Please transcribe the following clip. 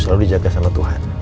selalu dijaga sama tuhan